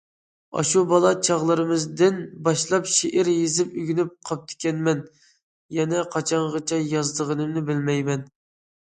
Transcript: ئاشۇ بالا چاغلىرىمدىن باشلاپ شېئىر يېزىپ ئۆگىنىپ قاپتىكەنمەن، يەنە قاچانغىچە يازىدىغىنىمنى بىلمەيمەن.